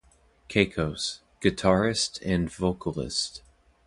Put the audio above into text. Keikos - Guitarist and vocalist.